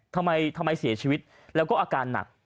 ทำไมเสียชีวิตแล้วก็อาการหนัก